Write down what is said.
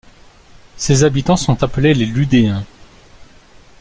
Ses habitants sont appelés les Ludéens.